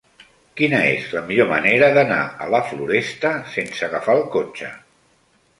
Quina és la millor manera d'anar a la Floresta sense agafar el cotxe?